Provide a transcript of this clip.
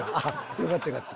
よかったよかった。